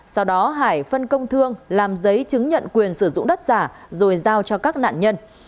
sau đó hải phân công thương làm giấy chứng nhận quyền sử dụng đất giả rồi giao cho các nạn nhân